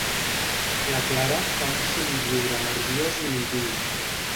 La Clara fa un somriure nerviós i l'hi diu.